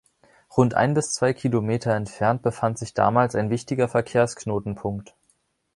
Rund ein bis zwei Kilometer entfernt befand sich damals ein wichtiger Verkehrsknotenpunkt.